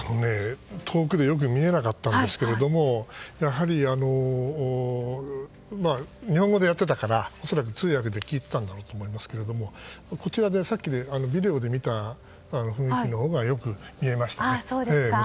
遠くでよく見えなかったんですけどやはり、日本語でやってたから通訳で聞いていたんだろうと思いますがビデオで見た雰囲気のほうが良く見えましたね。